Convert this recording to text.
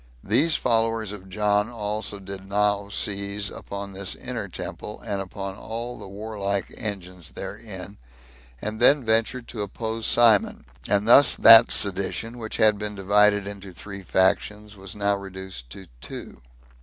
These followers of John also did now seize upon this inner temple, and upon all the warlike engines therein, and then ventured to oppose Simon. And thus that sedition, which had been divided into three factions, was now reduced to two.